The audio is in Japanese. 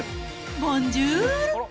ボンジュール。